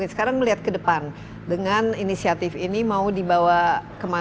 sekarang melihat ke depan dengan inisiatif ini mau dibawa kemana